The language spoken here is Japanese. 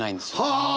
ああ！